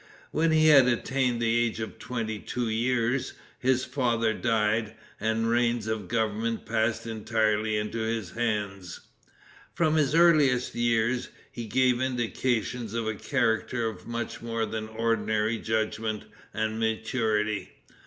When he had attained the age of twenty two years, his father died, and the reins of government passed entirely into his hands. From his earliest years, he gave indications of a character of much more than ordinary judgment and maturity.